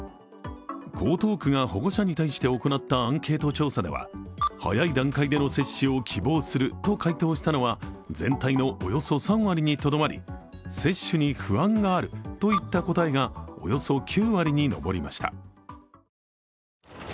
江東区が保護者に対して行ったアンケート調査では早い段階での接種を希望すると回答したのは全体のおよそ３割にとどまり接種に不安があるといった答えがおよそ９割に上りました。